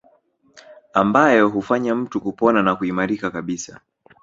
Ambayo hufanya mtu kupona na kuimarika kabisa